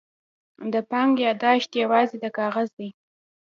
د بانک یادښت یوازې یو کاغذ دی.